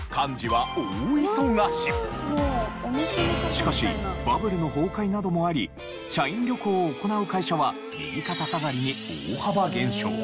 しかしバブルの崩壊などもあり社員旅行を行う会社は右肩下がりに大幅減少。